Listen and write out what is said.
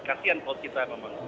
kasian kalau kita memang